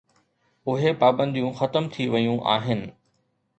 اهي پابنديون ختم ٿي ويون آهن.